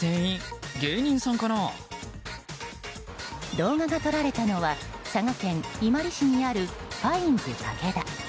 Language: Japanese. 動画が撮られたのは佐賀県伊万里市にあるファインズたけだ。